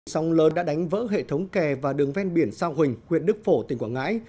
sông lớn đã đánh vỡ hệ thống kè và đường ven biển sa huỳnh huyện đức phổ tỉnh quảng ngãi